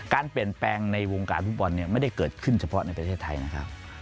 การเปลี่ยนแปลงในวงการฟุตบอลเนี่ยไม่ได้เกิดขึ้นเฉพาะในประเทศไทยนะครับ